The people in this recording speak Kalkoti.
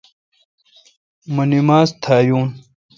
مہ نماز تھا یون۔